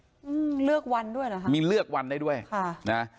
อืมเลือกวันด้วยเหรอคะมีเลือกวันได้ด้วยค่ะนะ